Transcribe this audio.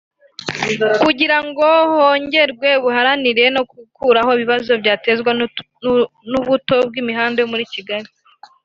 kugira ngo hongerwe ubuhahirane no gukuraho ibibazo byatezwaga n’ubuto bw’imihanda yo muri Kigali